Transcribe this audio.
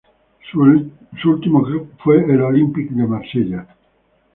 Su último club fue el Olympique de Marsella.